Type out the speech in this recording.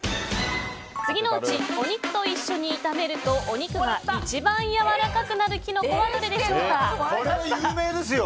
次のうち、お肉と一緒に炒めるとお肉が一番やわらかくなるキノコはどれでしょうか。